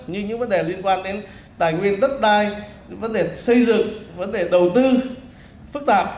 như những vấn đề liên quan đến tài nguyên đất đai vấn đề xây dựng vấn đề đầu tư phức tạp